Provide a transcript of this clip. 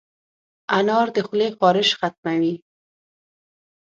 انار د خولې خارش ختموي.